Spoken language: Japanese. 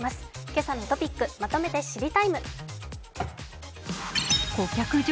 今朝のトピック、まとめて「知りＴＩＭＥ，」